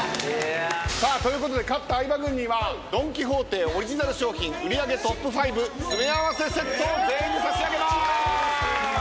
さあということで勝った相葉軍にはドン・キホーテオリジナル商品売り上げトップ５詰め合わせセットを全員に差し上げまーす！